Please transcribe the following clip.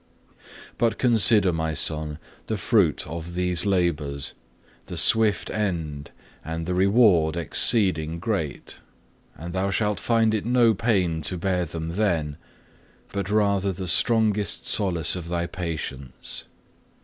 6. "But consider, My Son, the fruit of these labours, the swift end, and the reward exceeding great; and thou shalt find it no pain to bear them then, but rather the strongest solace of thy patience.